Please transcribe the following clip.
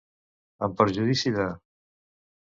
En perjudici de.